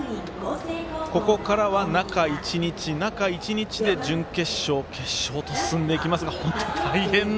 ここからは中１日、中１日で準決勝、決勝と進んでいきますが本当に大変な。